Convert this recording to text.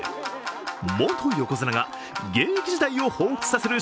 元横綱が現役時代を彷彿させる